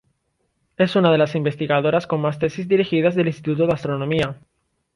Es una de las investigadoras con más tesis dirigidas del Instituto de Astronomía.